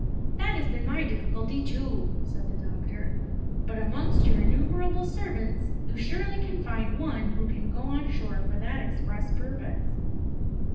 "That has been my difficulty too," said the doctor. "But amongst your innumerable servants, you surely can find one who can go on shore for that express purpose!"